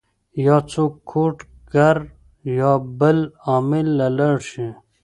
يا څوک کوډ ګر يا بل عامل له لاړ شي